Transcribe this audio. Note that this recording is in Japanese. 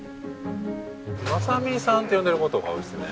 昌美さんって呼んでる事が多いですね。